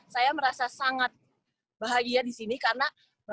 saya merasa sangat bahagia disini karena